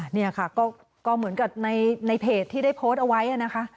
นี่ค่ะก็เหมือนกับในเพจที่ได้โพสต์เอาไว้นะคะ